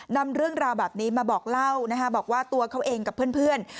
นำเรื่องราวแบบนี้มาบอกเล่านะคะบอกว่าตัวเขาเองกับเพื่อน